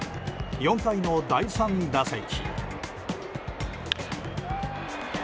４回の第３打席。